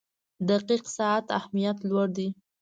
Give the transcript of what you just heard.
• د دقیق ساعت اهمیت لوړ دی.